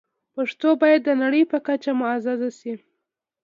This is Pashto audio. پښتو باید د نړۍ په کچه معزز شي.